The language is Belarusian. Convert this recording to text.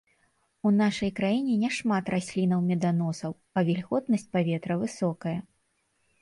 У нашай краіне не шмат раслінаў-меданосаў, а вільготнасць паветра высокая.